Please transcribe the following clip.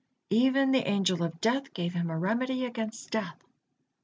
Even the Angel of Death gave him a remedy against death.